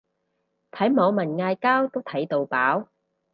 睇網民嗌交都睇到飽